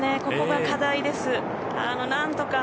ここが課題です。